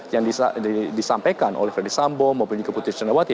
yang disampaikan oleh ferdis sambu maupun putri candrawati